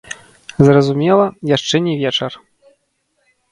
Зразумела, яшчэ не вечар.